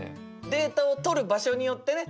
データを取る場所によってね